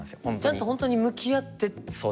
ちゃんと本当に向き合ってやらないと。